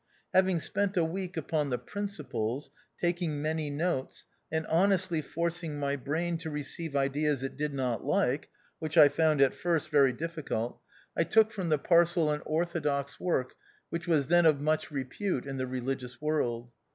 Having spent a week upon the "Principles," taking many notes, and honestly forcing my brain to receive ideas it did not like (which I found at first very difficult), I took from THE OUTCAST. 103 the parcel an orthodox work, which was then of much repute in the religious world.